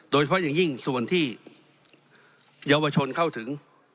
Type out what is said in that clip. โดยเฉพาะอย่างยิ่งส่วนที่เยาวชนเข้าถึง